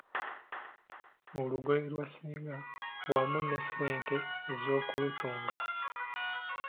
Olugoye lwa Ssenga wamu n’essente ez’okulutunga.